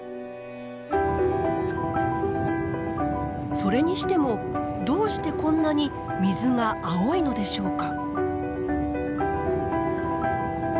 それにしてもどうしてこんなに水が青いのでしょうか。